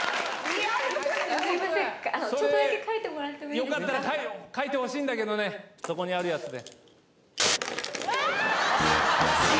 よかったら書いてほしいそこにあるやつで。